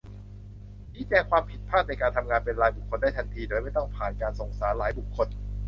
ชี้แจงความผิดพลาดในการทำงานเป็นรายบุคคลได้ทันที โดยไม่ต้องผ่านการส่งสารหลายบุคคล